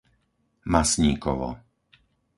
Masníkovo